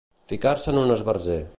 Ficar-se en un esbarzer.